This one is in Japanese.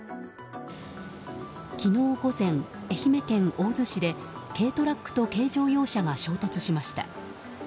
昨日午前、愛媛県大洲市で軽トラックと軽乗用車が衝突しました。